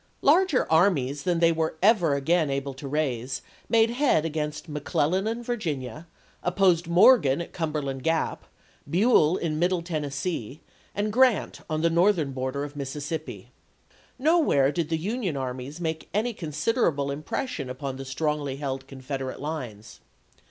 Larger armies than they were ever again able to raise made head against McClellan in Virginia, opposed Morgan at Cumberland Grap, Buell in Middle Tennessee, and Grant on the northern border of Mississippi. No where did the Union armies make any con siderable impression upon the strongly held Con federate lines.